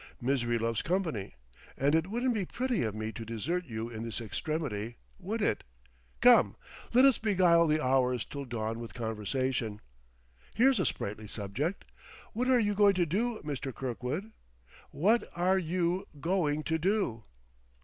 'Misery loves company,' and it wouldn't be pretty of me to desert you in this extremity, would it? Come, let us beguile the hours till dawn with conversation. Here's a sprightly subject: What are you going to do, Mr. Kirkwood? _What are you going to do?